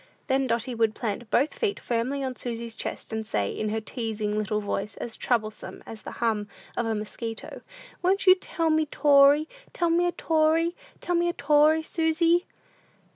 Then Dotty would plant both feet firmly on Susy's chest, and say, in her teasing little voice, as troublesome as the hum of a mosquito, "Won't you tell me 'tory tell me a 'tory tell me a 'tory, Susy."